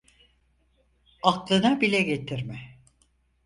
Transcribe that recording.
Aklına bile getirme.